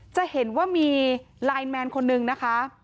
จะเห็นว่ามีไลน์แมนคนนึงนะคะ